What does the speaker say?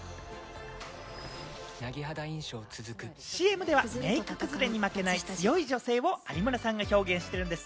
ＣＭではメイク崩れに負けない強い女性を有村さんが表現してるんです。